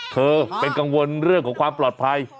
เธอเป็นกังวลเรื่องของความปลอดภัย